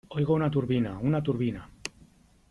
oigo una turbina , una turbina .